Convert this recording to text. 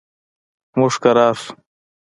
موږ کرار شو.